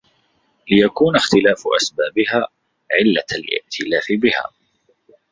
لِيَكُونَ اخْتِلَافُ أَسْبَابِهَا عِلَّةَ الِائْتِلَافِ بِهَا